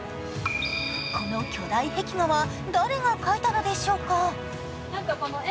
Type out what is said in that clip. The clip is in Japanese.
この巨大壁画は誰が描いたのでしょうか？